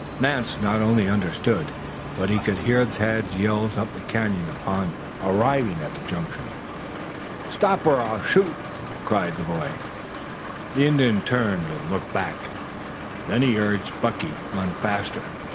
Nance not only understood, but he could hear Tad's yells up the canyon upon arriving at the junction. "Stop or I'll shoot!" cried the boy. The Indian turned and looked back. Then he urged Buckey on faster.